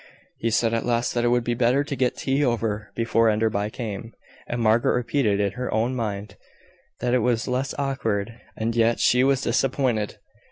He said at last that it would be better to get tea over before Enderby came; and Margaret repeated in her own mind that it was less awkward; and yet she was disappointed.